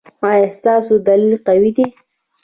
ایا ستاسو دلیل قوي دی؟